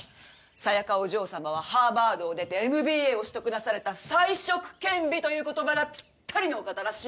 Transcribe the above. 紗耶香お嬢様はハーバードを出てＭＢＡを取得なされた才色兼備という言葉がぴったりのお方らしいわ。